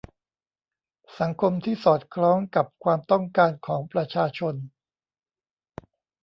สังคมที่สอดคล้องกับความต้องการของประชาชน